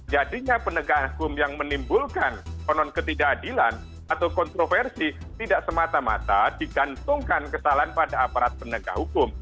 jadinya penegak hukum yang menimbulkan konon ketidakadilan atau kontroversi tidak semata mata digantungkan kesalahan pada aparat penegak hukum